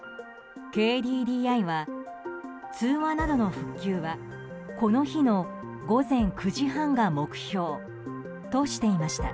ＫＤＤＩは通話などの復旧はこの日の午前９時半が目標としていました。